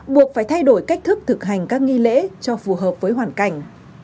buộc phải thay đổi cách thức thực hành các nghi lễ cho phù hợp với hoàn cảnh